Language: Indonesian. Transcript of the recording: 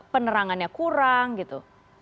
penerangannya kurang gitu